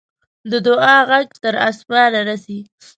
د دعا ږغ تر آسمانه رسي.